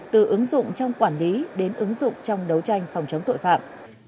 từ ứng dụng trong quản lý đến ứng dụng trong đấu tranh phòng chống tội phạm